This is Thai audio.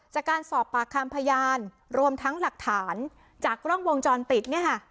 จากการสอบปากคำพยานรวมทั้งหลักฐานจากกล้องวงจรปิดเนี่ยค่ะ